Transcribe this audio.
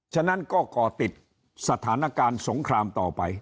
ฉะนั้นก็ก่อติดสถานการณ์สงครามต่อไป